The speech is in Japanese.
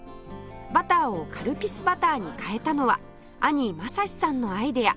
バターをカルピスバターに変えたのは兄まさしさんのアイデア